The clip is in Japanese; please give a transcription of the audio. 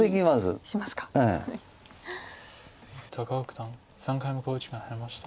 高尾九段３回目の考慮時間に入りました。